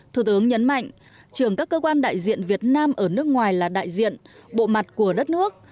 thủ tướng nhấn mạnh trưởng các cơ quan đại diện việt nam ở nước ngoài là đại diện bộ mặt của đất nước